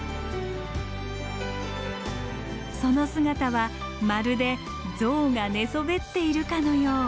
その姿はまるで象が寝そべっているかのよう。